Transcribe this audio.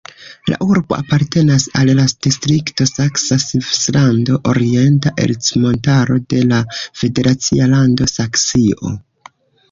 La urbo apartenas al la distrikto Saksa Svislando-Orienta Ercmontaro de la federacia lando Saksio.